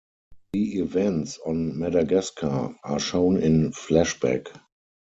The events on Madagascar are shown in flashback.